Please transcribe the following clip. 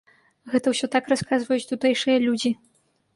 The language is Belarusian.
Гэта ўсё так расказваюць тутэйшыя людзі.